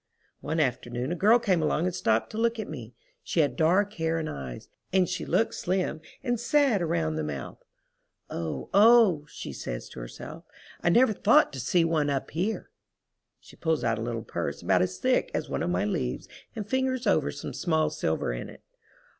One afternoon a girl came along and stopped to look at me. She had dark hair and eyes, and she looked slim, and sad around the mouth. "Oh, oh!" she says to herself. "I never thought to see one up here." She pulls out a little purse about as thick as one of my leaves and fingers over some small silver in it.